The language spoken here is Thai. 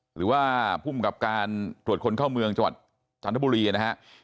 หรือว่าภูมิกับการตรวจคนเข้าเมืองจังหวัดจันทบุรีนะฮะ